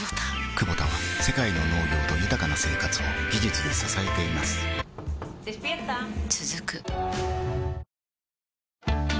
クボタは世界の農業と豊かな生活を技術で支えています起きて。